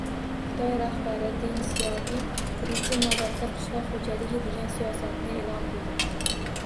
Xitoy rahbari Den Syaopin «Birinchi navbatda qishloq xo‘jaligi» degan siyosatni e’lon qildi.